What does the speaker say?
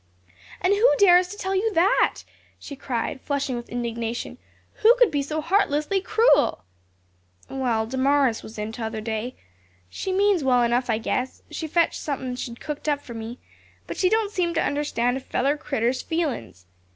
"And who dares to tell you that?" she cried, flushing with indignation, "who could be so heartlessly cruel?" "Well, Damaris was in t'other day. She means well enough, I guess; she fetched something she'd cooked up for me but she don't seem to understand a feller critter's feelin's.